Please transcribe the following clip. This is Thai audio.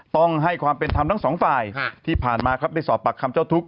ต้องให้ความเป็นธรรมทั้งสองฝ่ายที่ผ่านมาครับได้สอบปากคำเจ้าทุกข